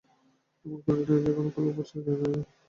এমন কোন নীতি কোন কালে প্রচারিত হয় নাই, যাহার মূলে ত্যাগ নাই।